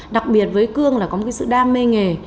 đặc biệt với cương là có một sự đam mê nghề